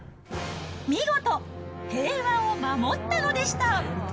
見事、平和を守ったのでした。